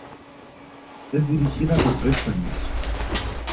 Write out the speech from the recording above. Es dirigida por Brett Simons.